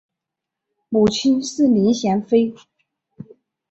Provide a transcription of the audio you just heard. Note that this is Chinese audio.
母亲是林贤妃。